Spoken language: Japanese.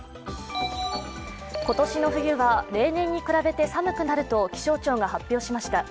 今年の冬は例年に比べて寒くなると気象庁が発表しました。